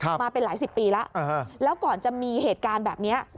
มาเป็นหลายสิบปีแล้วแล้วก่อนจะมีเหตุการณ์แบบนี้